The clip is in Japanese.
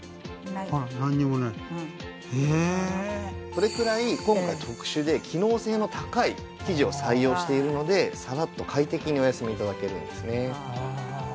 それくらい今回特殊で機能性の高い生地を採用しているのでサラッと快適にお休み頂けるんですね。